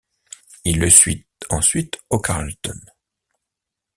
Il le suit ensuite au Carlton.